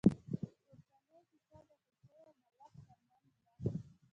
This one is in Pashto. پورتنۍ کیسه د هوسۍ او ملخ تر منځ ده.